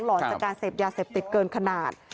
หอนจากการเสพยาเสพติดเกินขนาด